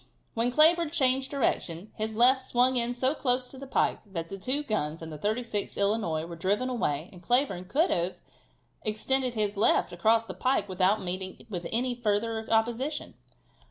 When Cleburne changed direction his left swung in so close to the pike that the two guns and the 36th Illinois were driven away and Cleburne could then have extended his left across the pike without meeting with any further opposition.